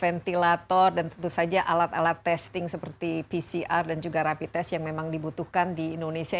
ventilator dan tentu saja alat alat testing seperti pcr dan juga rapid test yang memang dibutuhkan di indonesia